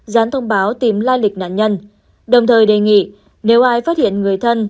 gián thông báo tìm lai lịch nạn nhân đồng thời đề nghị nếu ai phát hiện người thân